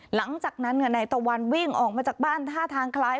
หลังจากนั้นค่ะนายตะวันวิ่งออกมาจากบ้านท่าทางคล้าย